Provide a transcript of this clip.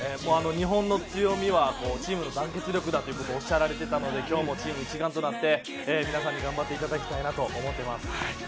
日本の強みはチームの団結力だとおっしゃられていたので今日もチーム一丸となって皆さんに頑張っていただきたいと思います。